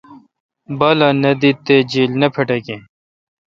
بالہ نہ دیت تےجیل نہ پھٹکیں